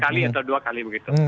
kali atau dua kali begitu